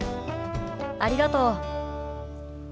ありがとう。